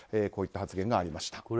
こういった発言がありました。